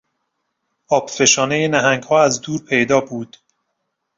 آبفشانهی نهنگها از دور پیدا بود.